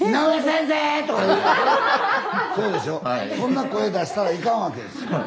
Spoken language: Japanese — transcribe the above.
そんな声出したらいかんわけですよ。